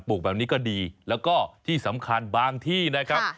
ลูกแบบนี้ก็ดีแล้วก็ที่สำคัญบางที่นะครับ